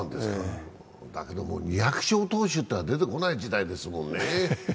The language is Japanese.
２００勝投手というのは出てこない時代ですからね。